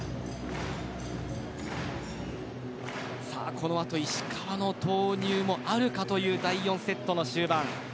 この後、石川の投入もあるかという第４セット終盤。